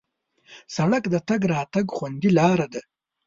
سړک د تګ راتګ خوندي لاره ده.